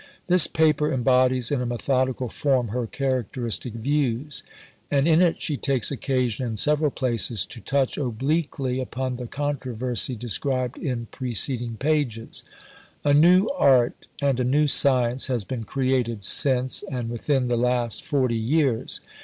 This paper embodies in a methodical form her characteristic views, and in it she takes occasion in several places to touch obliquely upon the controversy described in preceding pages. "A new art, and a new science, has been created since and within the last forty years.